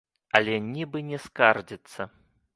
Але нібы не скардзіцца.